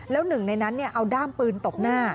แล้วหนึ่งในนั้นเอาด้ามปืนตบหน้า